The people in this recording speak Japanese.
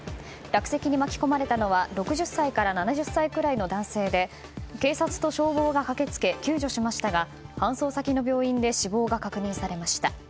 落石に巻き込まれたのは６０歳から７０歳くらいの男性で警察と消防が駆けつけ救助しましたが搬送先の病院で死亡が確認されました。